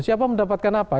siapa mendapatkan apa